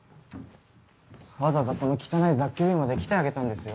わざわざこの汚い雑居ビルまで来てあげたんですよ。